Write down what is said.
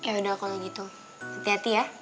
yaudah kalau gitu hati hati ya